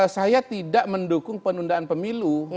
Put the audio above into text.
saya tidak mendukung penundaan pemilu